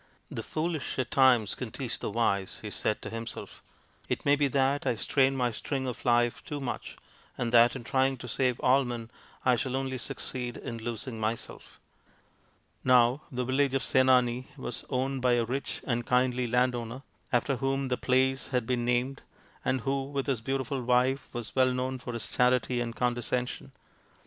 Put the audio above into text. The foolish at times can teach the wise," he said to himself ;" it may be that I strain my string of life too much, and that in trying to save all men I shall only succeed in losing my self." Now the village of Senani was owned by a rich and kindly landowner, after whom the place had been named, and who with his beautiful wife was well known for his charity and condescension.